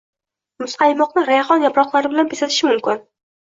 Muzqaymoqni rayhon yaproqlari bilan bezatish mumkin